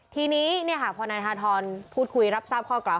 ทีนี้พอนายธรพูดคุยรับทราบข้อกล่าว